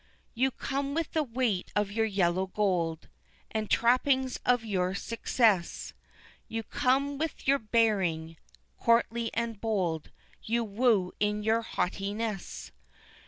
You come with the weight of your yellow gold, And the trappings of your success; You come with your bearing, courtly and bold, You woo in your haughtiness.